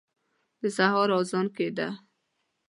د سهار اذان کېده.